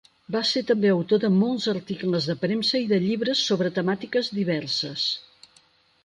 Va ser també autor de molts articles de premsa i de llibres sobre temàtiques diverses.